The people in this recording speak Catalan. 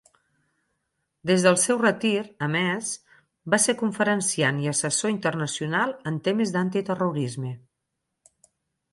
Des del seu retir, a més, va ser conferenciant i assessor internacional en temes d'antiterrorisme.